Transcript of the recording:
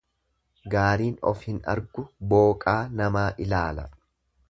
Gaariin of hin argu booqaa namaa ilaala.